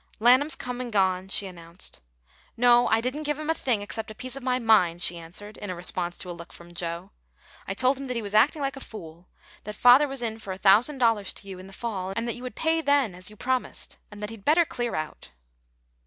"Lanham's come and gone," she announced. "No, I didn't give him a thing, except a piece of my mind," she answered, in response to a look from Joe. "I told him that he was acting like a fool; that father was in for a thousand dollars to you in the fall, and that you would pay then, as you promised, and that he'd better clear out."